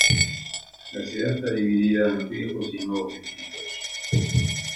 La ciudad está dividida en los viejos y nuevos distritos.